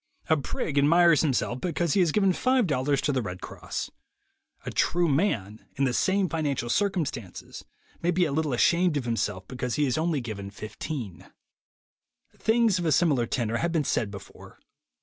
A prig admires himself because he has given $5 to the Red Cross. A true man, in the same financial circumstances, may be a little ashamed of himself because he has only given $15. Things of a similar tenor have been said before.